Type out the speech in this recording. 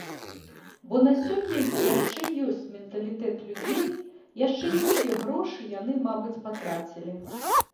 Бо на сёння яшчэ ёсць менталітэт людзей, яшчэ не ўсе грошы яны, мабыць, патрацілі.